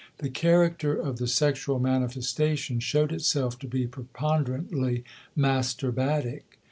The character of the sexual manifestation showed itself to be preponderantly masturbatic.